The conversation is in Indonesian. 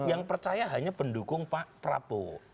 yang percaya hanya pendukung pak prabowo